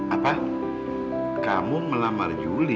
apa kamu melamar juli